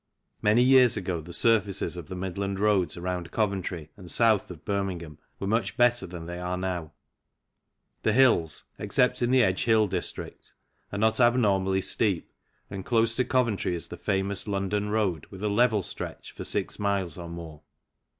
Many years ago the surfaces of the Midland roads around Coventry and south of Birmingham were much better than they are now ; the hills, except in the Edge Hill district, are not abnormally steep, and close to Coventry is the famous London road with a level stretch for six miles or more.